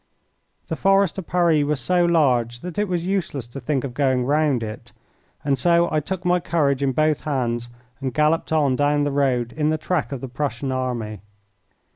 The Forest of Paris was so large that it was useless to think of going round it, and so I took my courage in both hands and galloped on down the road in the track of the Prussian army.